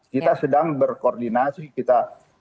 kita sedang berkoordinasi kita